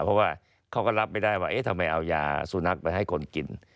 เพราะว่าเขาก็รับไม่ได้ว่าเอ๊ะทำไมเอายาสุนัขไปให้คนกิน